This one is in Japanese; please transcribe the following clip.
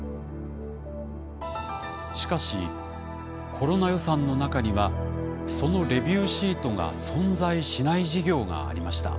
しかしコロナ予算の中にはそのレビューシートが存在しない事業がありました。